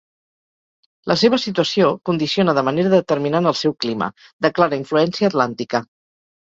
La seva situació condiciona de manera determinant el seu clima, de clara influència atlàntica.